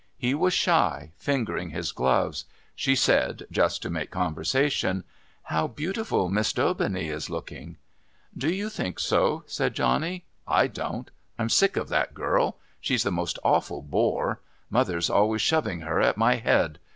He was shy, fingering his gloves. She said (just to make conversation): "How beautiful Miss Daubeney is looking!" "Do you think so?" said Johnny. "I don't. I'm sick of that girl. She's the most awful bore. Mother's always shoving her at my head.